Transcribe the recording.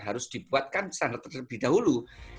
harus dibuatkan sangat lebih dahulu